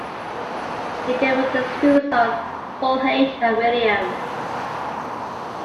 He came with his two sons, Paul H., and William.